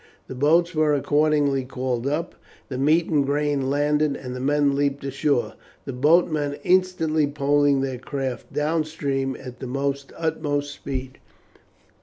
The boats were accordingly called up, the meat and grain landed, and the men leapt ashore, the boatmen instantly poling their crafts down stream at their utmost speed.